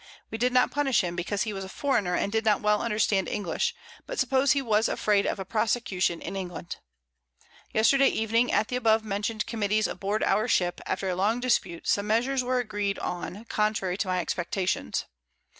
We did not punish him, because he was a Foreigner, and did not well understand English, but suppose he was afraid of a Prosecution in England. Yesterday Evening at the abovemention'd Committees aboard our Ship, after a long dispute, some Measures were agreed on contrary to my Expectations.